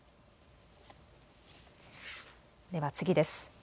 では次です。